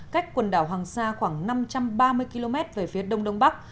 cách quần đảo hoàng sa khoảng năm trăm ba mươi km về phía đông đông bắc